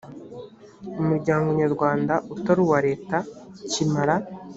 umuryango nyarwanda utari uwa leta kimara